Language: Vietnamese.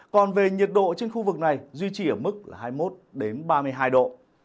còn về nhiệt độ trên khu vực này duy trì ở mức là hai mươi một ba mươi hai độ